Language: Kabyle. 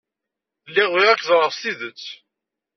Lliɣ bɣiɣ ad k-ẓreɣ s tidet.